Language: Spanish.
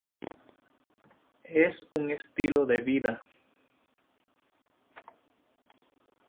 Es un estilo de vida.